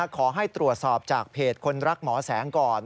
ขอให้ตรวจสอบจากเพจคนรักหมอแสงก่อน